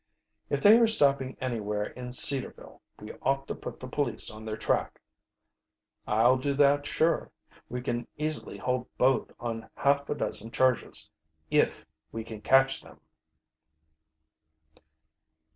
"If they are stopping anywhere in Cedarville we ought to put the police on their track." "I'll do that sure. We can easily hold both on half a dozen charges if we can catch them."